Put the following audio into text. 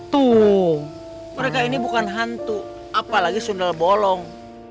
tuh mereka ini bukan hantu apalagi sunda bolong